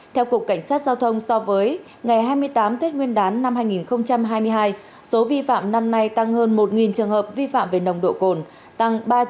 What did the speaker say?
theo cục cảnh sát giao thông so với ngày hai mươi tám tết nguyên đán năm hai nghìn hai mươi hai số vi phạm năm nay tăng hơn một trường hợp vi phạm về nồng độ cồn tăng ba trăm sáu mươi hai so với năm trước